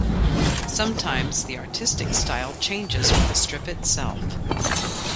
Sometimes, the artistic style changes within the strip itself.